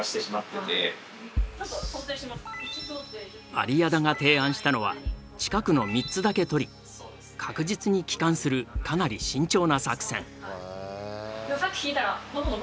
有屋田が提案したのは近くの３つだけ取り確実に帰還するかなり慎重な作戦。